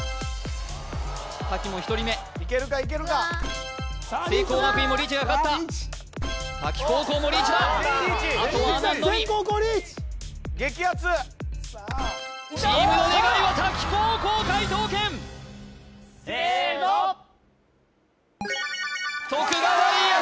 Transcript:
滝も１人目いけるかいけるか聖光学院もリーチがかかった滝高校もリーチだあとは阿南のみチームの願いは滝高校解答権せーの徳川家康